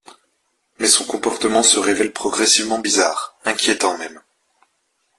Mais son comportement se révèle progressivement bizarre, inquiétant même...